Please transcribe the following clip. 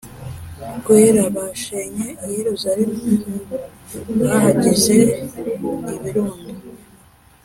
rwera Bashenye i Yerusalemu bahagize ibirundo